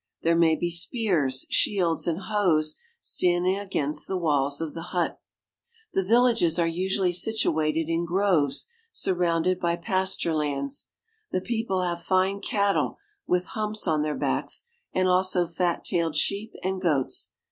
There may be spears, shields, and hoes standing against the walls of the hut. The villages are usually situated in groves surrounded by pasture lands. The people have fine cattle, with humps on their backs, and also fat tailed sheep and goats.